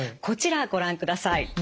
こちらご覧ください。